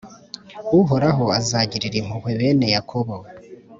Uhoraho azagirira impuhwe bene Yakobo,